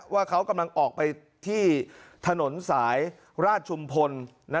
ว่าเขากำลังออกไปที่ถนนสายราชชุมพล